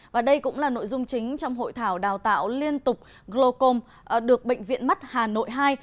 và đây cũng là nội dung chính trong hội thảo đào tạo liên tục glocom được bệnh viện mắt hà nội hai